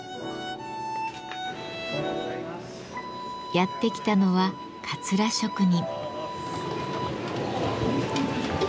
やって来たのはかつら職人。